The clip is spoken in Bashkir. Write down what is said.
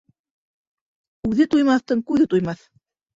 Үҙе туймаҫтың күҙе туймаҫ.